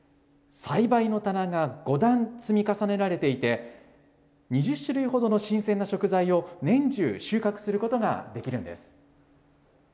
栽培の棚が５段積み重ねられていて、２０種類ほどの新鮮な食材を年中、収穫することができるんです。